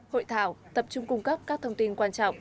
hội thảo tập trung cung cấp các thông tin quan trọng